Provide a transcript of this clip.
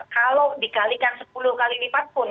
kalau dikalikan sepuluh kali lipat pun